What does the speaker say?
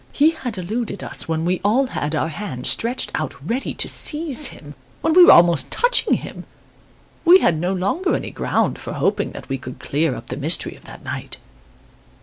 He had eluded us when we all had our hands stretched out ready to seize him when we were almost touching him. We had no longer any ground for hoping that we could clear up the mystery of that night.